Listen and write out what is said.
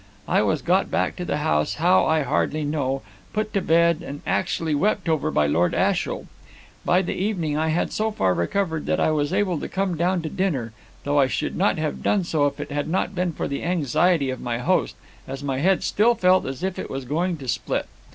I was got back to the house, how I hardly know, put to bed, and actually wept over by Lord Ashiel. By the evening I had so far recovered that I was able to come down to dinner, though I should not have done so if it had not been for the anxiety of my host, as my head still felt as if it was going to split.